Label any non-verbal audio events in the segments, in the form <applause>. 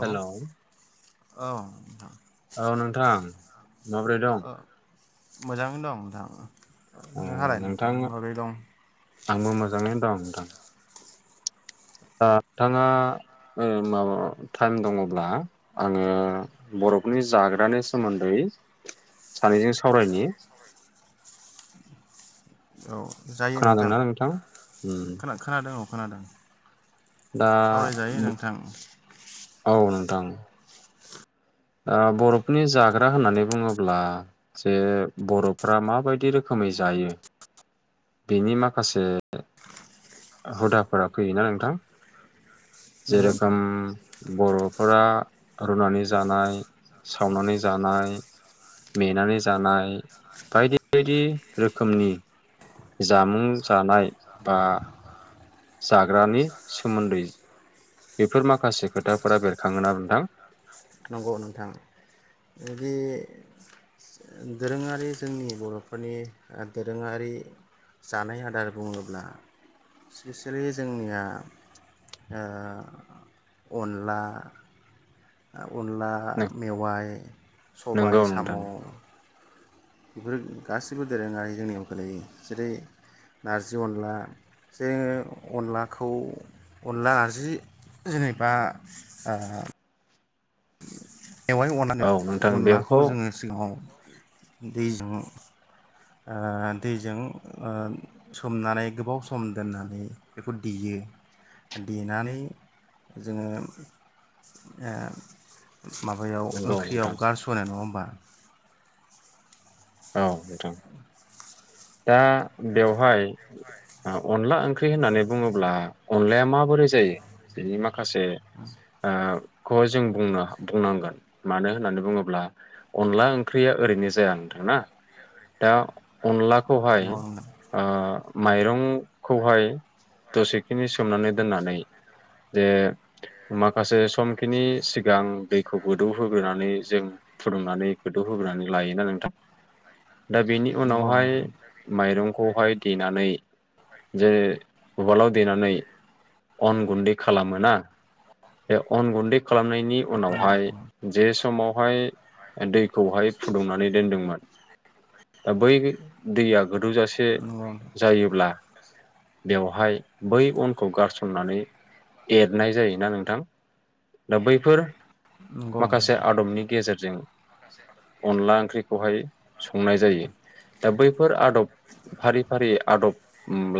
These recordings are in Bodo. हेलौ। औ नोंथां। औ नोंथां। माबोरै दं? ओ मोजाङैनो दं नोंथां। ओ नोंहालाय नोंथां माबोरै दं आंबो मोजाङै दं। थां ओ नोंथाङा ओ माबा टाइम दङब्ला आङो बर'फोरनि जाग्रानि सोमोन्दै सानैजों सावरायनि। औ। जायो नोंथां उम खोना-खोनादों औ खोनादों। दा सावरायजायो नोंथां <unintelligible> औ नोंथां। ओ बरफोरनि जाग्रा होननानै बुङोब्ला जे बरफ्रा माबायदि रोखोमै जायो बेनि माखासे हुदाफोरा फैयोना नोंथां? नंगौ नोंथां जेरोखोम बरफ फोरा रुनानै जानाय सावनानै जानाय मेनानै जानाय बायदि बायदि रोखोमनि जामुं जानाय बा जाग्रानि सोमोन्दै। बेफोर माखासे खोथाफोरा बेरखाङोना नोंथां? नंगौ नोंथां जुदि दोरोङारि जोंनि बरफोरनि ओ दोरोङारि जानाय आदार बुङोब्ला स्पेसियेलि जोंनिया ओ अनला अनला मेवाइ नोंगौ सबाय साम नोंथां बेफोर गासैबो दोरोङारि जोंनियाव गोलैयो जेरै नारजि अनला जोङो अनलाखौ अनला आरजि जेनेबा ओ औ <unintelligible> नोंथां अनलाखौ बेखौ जोङो सिगाङाव दैजों ओ दैजों ओ सोमनानै गोबाव सम दोननानै बेखौ देयो देनानै जोङो ओ माबायाव नंगौ नोंथां ओंख्रियाव गारसनो नङा होमबा। औ नोंथां। दा बेवहाय ओ अनला ओंख्रि होननानै बुङोब्ला अनलाया माबोरै जायो बिनि माखासे ओ खौ जों बुंनो बुंनांगोन मानो होननानै बुङोब्ला अनला ओंख्रिया ओरैनो जाया। <unintelligible> दा अनला खौहाय ओ माइरंखौहाय दसेखिनि सोमनानै दोननानै जे माखासे समखिनि सिगां दैखौ गोदौ होग्रोनानै जों फुदुंनानै गोदौहोग्रोनानै लायोना नोंथां। दा बेनि नंगौ उनावहाय नोंथां माइरंखौहाय देनानै जे उवालाव देनानै अन गुन्दै खालामोना बे अन गुन्दै खालामनायनि नंगौ उनावहाय नोंथां जे समावहाय दैखौहाय फुदुंनानै दोनदोंमोन दा बै दैया गोदौजासे नंगौ नंगौ जायोब्ला बेवहाय बै अनखौ गारसननानै एरनाय जायोना नोंथां दा बैफोर नंगौ माखासे नोंथां आदबनि गेजेरजों अनला ओंख्रिखौहाय संनाय जायो दा बैफोर आदब फारि-फारि आदब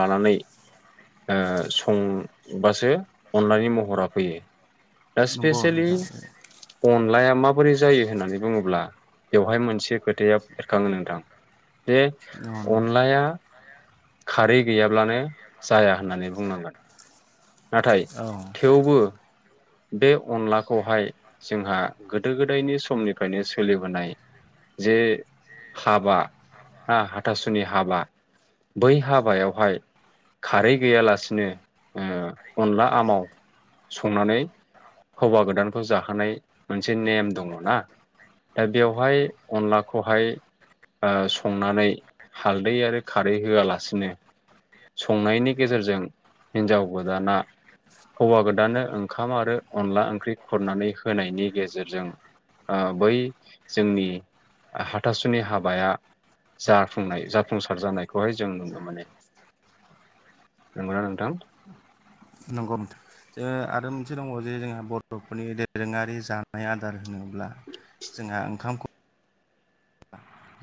लानानै ओ संबासो अनलानि महरा फैयो। दा नंगौ इप्सेसेलि नोंथां अनलाया माबोरै जायो होननानै बुङोब्ला बेवहाय मोनसे खोथाया बेरखाङो नोंथां बे औ अनलाया खारै गैयाब्लानो जाया होननानै बुंनांगोन‌ नाथाय थेवबो बे अनलाखौहाय जोंहा गोदो गोदायनि समनिफ्रायनो सोलिबोनाय जे हाबा हा हाथासुनि हाबा बै हाबायावहाय खारै गैयालासिनो ओ अनला आमाव संनानै हौवा गोदानखौ जाहोनाय मोनसे नेम दङ ना दा बेवहाय अनलाखौहाय संनानै हालदै आरो खारै होआलासिनो संनायनि गेजेरजों हिनजाव गोदाना हौवा गोदाननो ओंखाम ओंखाम आरो अनला ओंख्रि खुरनानै होनायनि गेजेरजों बै जोंनि हाथासुनि हाबाया जाफुंनाय जाफुंसार जानायखौहाय जों नुनो मोनो। नंगौ ना नोंथां? नंगौ नोंथां ओ आरो मोनसे दङबावो जे जोंहा बरफोरनि दोरोङारि जानाय आदार होनोब्ला ब्ला जोंहा ओंखामखौ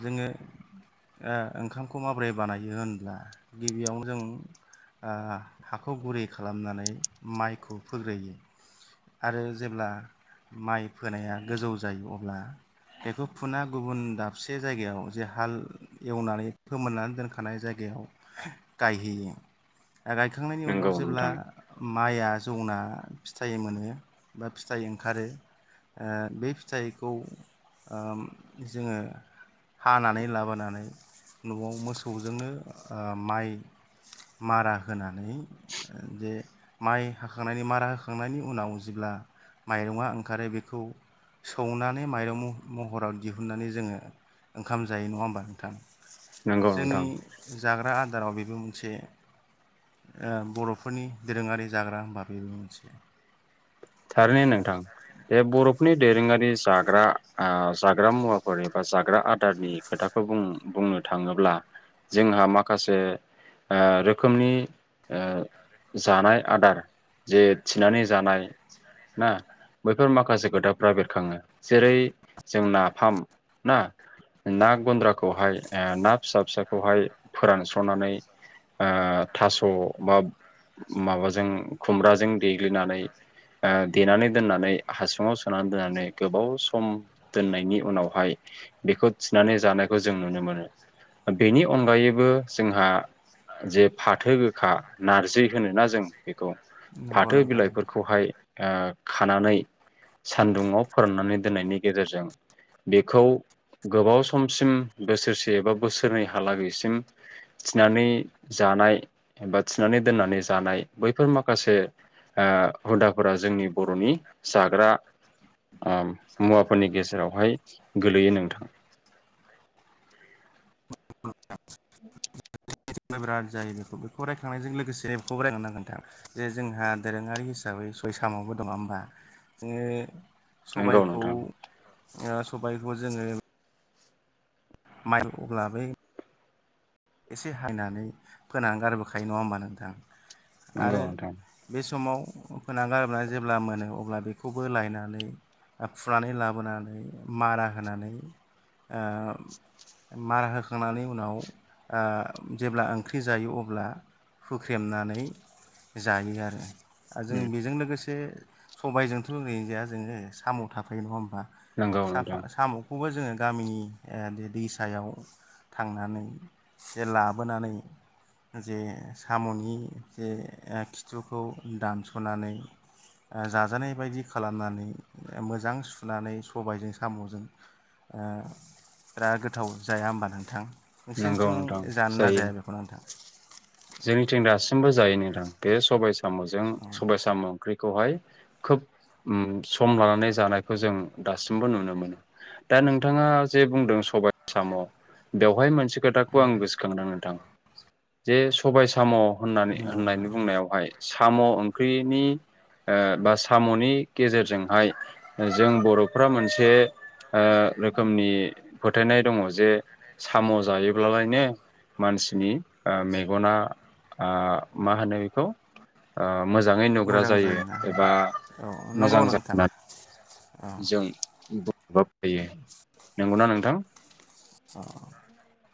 जोङो ओ ओंखामखौ माबोरै बानायो होनब्ला गिबियावनो जों ओ हाखौ गुरै खालामनानै माइखौ फोग्रोयो आरो जेब्ला माइ फोनाया गोजौ जायो अब्ला बेखौ फुना गुबुन दाब दाबसे जायगायाव जे हाल एवनानै फोमोननानै दोनखानाय जायगायाव गायहैयो। गायखांनायनि नंगौ उनाव जेब्ला नोंथां माइआ जौना फिथाइ मोनो बा फिथाइ ओंखारो ओ बे फिथाइखौ ओ जोङो हानानै लाबोनानै नआव मोसौजोंनो ओ माइ मारा होनानै जे माइ हाखांनायनि मारा होखांनायनि उनाव जेब्ला माइरङा ओंखारो बेखौ सौनानै माइरं म-महराव दिहुननानै जोङो ओंखाम जायो नङा होमबा नोंथां। नंगौ जोंनि नोंथां जाग्रा आद दाराव बेबो मोनसे बर'फोरनि दोरोङारि जाग्रा होनबा बेबो मोनसे। थारैनो नोंथां बे बर'फोरनि दोरोङारि जाग्रा ओ जाग्रा मुवाफोर एबा जाग्रा आदारनि खोथाखौ बुं-बुंनो थाङोब्ला जोंहा माखासे ओ रोखोमनि ओ जानाय आदार जे थिनानै जानाय ना बैफोर माखासे खोथाफ्रा बेरखाङो जेरै जों नाफाम ना ना गुन्द्राखौहाय आ ना फिसा फिसाखौहाय फोरानस्रनानै ओ थास'बा माबाजों खुमब्राजों देग्लिनानै ओ देनानै दोननानै हासुङाव सोनानै दोननानै गोबाव सम दोननायनि उनावहाय बेखौ थिनानै जानायखौ जों नुनो मोनो। बेनि अनगायैबो जोंहा जे फाथो गोखा नारजि होनोना जों बेखौ नंगौ फाथो नोंथां बिलाइफोरखौहाय ओ खानानै सानदुंआव फोराननानै दोननायनि गेजेरजों बेखौ गोबाव समसिम बोसोरसे एबा बोसोरनैहालागैसिम थिनानै जानाय एबा थिनानै दोननानै जानाय बैफोर माखासे ओ हुदा फोरा जोंनि बरनि जाग्रा ओ मुवाफोरनि गेजेरावहाय गोग्लोयो नोंथां। <inaudible> <unintelligible> बिराद जायो बेखौ बेखौ रायखांनायजों लोगोसे बेखौबो रायखां नांगोन नोंथां जे जोंहा दोरोङारि हिसाबै सबाय सामबो दङ होमबा जोङो नंगौ सबायखौ नोंथां ओ सबायखौ जोङो माइरं थफ्ला बे एसे हायनानै फोनानै गारबोखायो नङा होमबा नोंथां। नंगौ आरो नोंथां बे समाव होना गारोबोननानै जेब्ला मोनो अब्ला बेखौबो लायनानै फुनानै लाबोनानै मारा होनानै ओ मारा होखांनानै उनाव ओ जेब्ला ओंख्रि जायो अब्ला हुख्रेमनानै जायो आरो दा जों उम बेजों लोगोसे सबायजोंथ' ओरैनो जाया जोङो साम' थाफायो नङा होनोमबा नंगौ नोंथां सा-साम'खौबो जोङो गामिनि ओ दैसायाव थांनानै जे लाबोनानै जे साम'नि जे खिथुखौ दानस'नानै जाजानाय बायदि खालामनानै मोजां सुनानै सबायजों साम'जों ओ बिराद गोथाव जाया हबा नोंथां? नोंसिनि नंगौ थिं नोंथां जानो ना जायो जाया बेखौ नोंथां जोंनिथिं दासिमबो जायो नोंथां बे सबाय साम'जों सबाय साम' ओंख्रि खौहाय खोब ओम सम लानानै जानायखौ जों दासिमबो नुनो मोनो दा नोंथाङा जे बुंदों सबाय आसाम बेवहाय मोनसे खोथाखौ आं गोसोखांनदों नोंथां जे सबाय साम' होननानै नंगौ होननायनि नोंथां बुंनायावहाय साम' ओं ख्रिनि ओ बा साम'नि गेजेरजोंहाय ओ जों बर'फ्रा मोनसे ओ रोखोमनि फोथायनाय दङ जे साम' जायोब्लालायनो मानसिनि ओ मेग गनना ओ मा होनो बेखौ ओ मोजाङै नुग्रा मोजां जायो जायोना एबा औ नंगौ मोजां जायो नोंथां औ होननानै जों बुं थायो। नंगौना नोंथां औ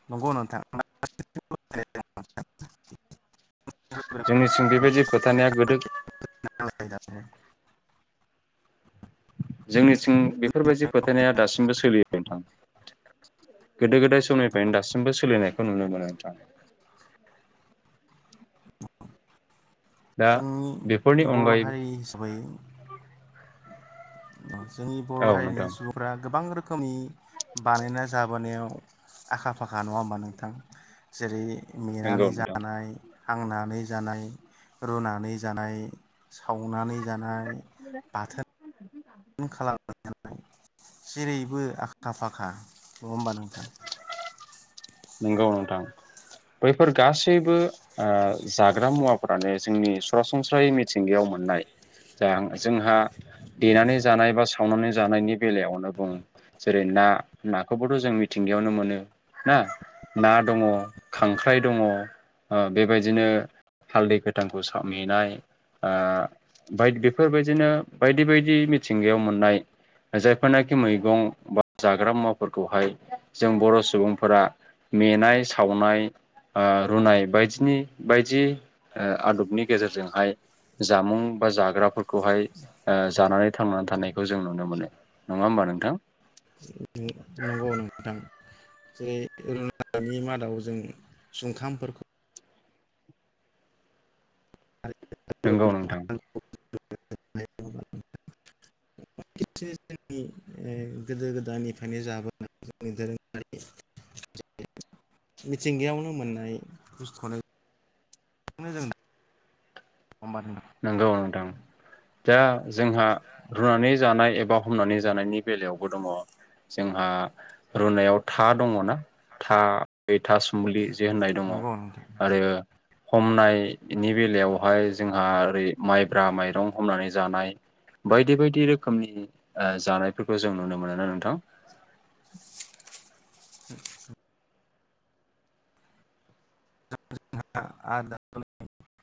नंगौ नोंथां <unintelligible> जोंनिसिम बेबायदि फोथनाया गोदो जोंनि थिं बेफोरबायदि फोथायनाया दासिमबो सोलियो नोंथां गोदो गोदाय समनिफ्रायनो दासिमबो सोलिनायखौ नुनो मोनो नोंथां। दा जोंनि बेफोरनि बर' अनगायै हारि हिसाबै औ जोंनि बर' औ हारिनि नोंथां सुबुंफ गोबां रोखोम रोखोमनि बानायना जाबोनायाव आखा फाखा नङा होमबा नोंथां जेरै नंगौ मेनानै नोंथां जानाय हांनानै जानाय, रुनानै जानाय सावनानै जानाय, बाथोन जिरिै बेबो आखा फाखा नङा होमबा नोंथां नंगौ नोंथां बैफोर गासैबो जाग्रा मुवा फोरानो जोंनि सरासनस्रायै मिथिंगायाव मोननाय जा जोंहा देनानै जानाय बा सावनानै जानायनि बेलायावनो बुंङ जेरै ना नाखौबोथ' जों मिथिंगायावनो मोनो ना? ना दङ खांख्राइ दङ बेबायदिनो हालदै गोथांखौ मेनाय अ बेफोरबायदिनो बायदि बायदि मिथिंगायाव मोननाय जायफोरनाखि मैगं बा जाग्रा मुवाफोरखौहाय जों बर' सुबुंफोरा मेनाय सावनाय रुनाय बायदिनि बायदि आदबनि गेजेरजोंहाय जामुं बा जाग्राफोरखौहाय जानानै थांनानै थानायखौ जों नुनो मोनो नङा होमबा नोंथां नंगौ नोंथां जेरै अरुनाानि मादावखै जों सुंखामफोरखौ नंगौ नोंथां जोंनि गोदो गोदायनिफ्रायनो जाबोनाय जोंनि दोरोङारि मिथिंगायावनो मोननाय बुस्थुखौनो <unintelligible> नंगौ नोंथां जा जोंहा रुनानै जानाय एबा हमनानै जानायनि बेलायावबो दङ जोंहा रुनायाव था दङना? था था सुमलि जे होननाय दङ नंगौ नोंथां आरो हमनायनि बेलायावहाय जों ओरै माइब्रा माइरं हमनानै जानाय बायदि बायदि रोखोमनि जानायफोरखौ जों नुनो मोनो नोंथां? <unintelligible> <unintelligible>